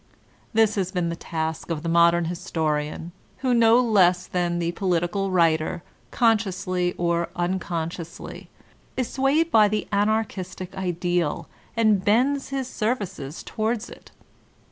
This has been the task of the modem historian, who, no less than the political writer, consciously or un consciously, is swayed by the Anarchistic ideal and bends his services towards it.